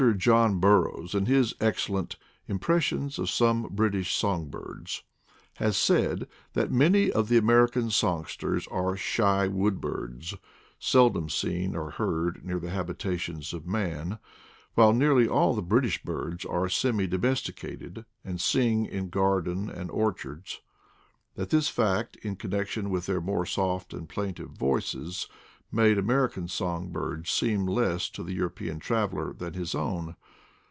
John Burroughs, in his excellent Impres sions of some British Song Birds, has said, that many of the American songsters are shy wood 148 IDLE DAYS IN PATAGONIA birds, seldom seen or heard near the habitations of man, while nearly all the British birds are semi domesticated, and sing in gardens and or chards; that this fact, in connection with their more soft and plaintive voices, made American song birds seem less to the European traveler than his own.